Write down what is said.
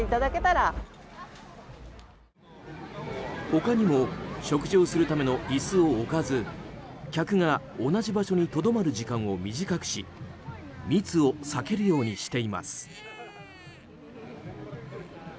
他にも食事をするための椅子を置かず客が同じ場所にとどまる時間を短くし密を避けるようにしています。